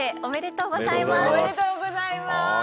おめでとうございます。